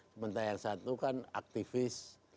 sementara yang satu kan aktivis